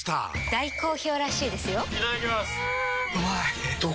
大好評らしいですよんうまい！